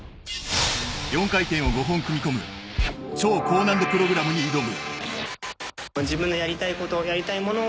４回転を５本組み込む超高難度プログラムに挑む。